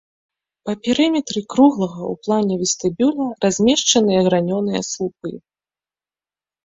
Па перыметры круглага ў плане вестыбюля размешчаныя гранёныя слупы.